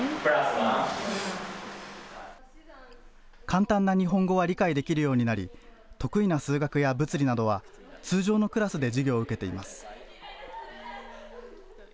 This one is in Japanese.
簡単な日本語は理解できるようになり、得意な数学や物理などは、通常のクラスで授業を受けています。